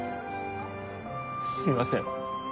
すいません。